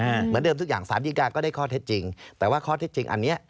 เหมือนเดิมทุกอย่างสารดีกาก็ได้ข้อเท็จจริงแต่ว่าข้อเท็จจริงอันเนี้ย